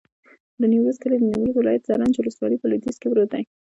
د نیمروز کلی د نیمروز ولایت، زرنج ولسوالي په لویدیځ کې پروت دی.